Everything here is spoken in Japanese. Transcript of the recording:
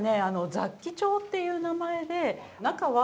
雑記帳っていう名前で中は無地で。